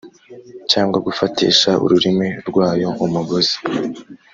cyangwa gufatisha ururimi rwayo umugozi